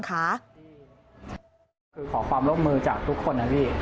ขอความรบมือจากทุกคนนะพี่